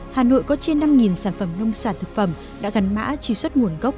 hà nội có trên năm sản phẩm nông sản thực phẩm đã gắn mã trì xuất nguồn gốc